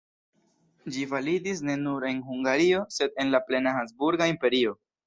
Ĝi validis ne nur en Hungario, sed en la plena Habsburga Imperio.